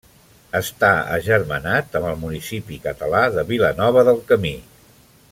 Està agermanat amb el municipi català de Vilanova del Camí.